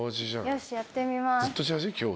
よしやってみます。